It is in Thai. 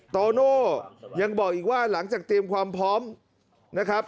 โตโน่ยังบอกอีกว่าหลังจากเตรียมความพร้อมนะครับ